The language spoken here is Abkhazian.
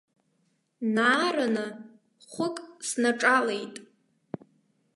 Наараны хәык снаҿалеит.